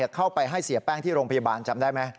เข้าไปให้เสียแป้งที่โรงพยาบาลจำได้ไหม